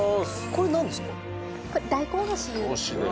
これ大根おろしです。